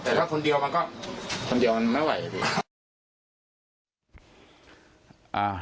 แต่ถ้าคนเดียวมันก็คนเดียวมันไม่ไหวพี่